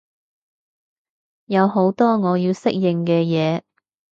有好多我要適應嘅嘢